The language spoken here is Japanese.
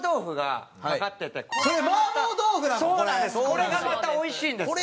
これがまたおいしいんです。